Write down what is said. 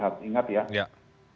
kalau misalkan brand heart ingat ya